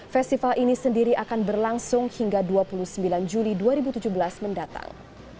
festival ini sendiri akan berlangsung hingga dua puluh sembilan juli dua ribu tujuh belas mendatang